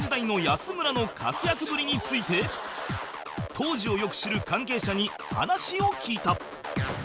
当時をよく知る関係者に話を聞いた